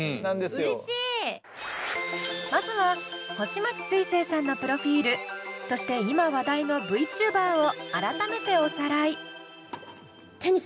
すいせいさんのプロフィールそして今話題のＶチューバーを改めておさらい。